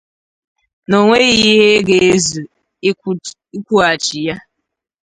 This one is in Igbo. na o nweghị ihe ga-ezù ịkwụghachi ya